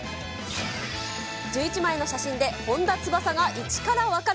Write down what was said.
１１枚の写真で本田翼が１から分かる！